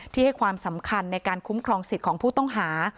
ให้ความสำคัญในการคุ้มครองสิทธิ์ของผู้ต้องหา